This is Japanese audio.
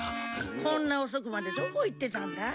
こんな遅くまでどこ行ってたんだい？